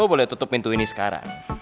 oh boleh tutup pintu ini sekarang